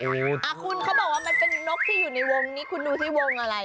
คุณเค้าบอกว่ามันเป็นนกที่อยู่ในวง